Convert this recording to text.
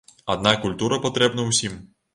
Аднак культура патрэбна ўсім.